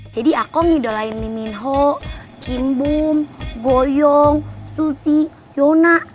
jadi aku ngidolain lee min ho kim boom go young suzy yona